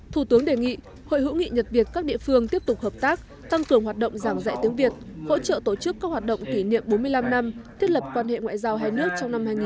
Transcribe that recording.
thủ tướng đề nghị hội hữu nghị nhật việt các địa phương tiếp tục hợp tác tăng cường hoạt động giảng dạy tiếng việt hỗ trợ tổ chức các hoạt động kỷ niệm bốn mươi năm năm thiết lập quan hệ ngoại giao hai nước trong năm hai nghìn hai mươi